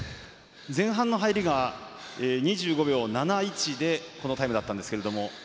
前半の入りが２７秒７１でこのタイムだったんですが。